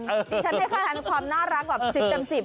ดิฉันแวะครั้งความน่ารักแบบสิบแต่มสิบ